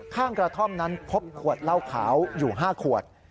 กระท่อมนั้นพบขวดเหล้าขาวอยู่๕ขวด